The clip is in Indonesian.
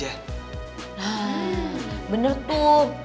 lah bener tuh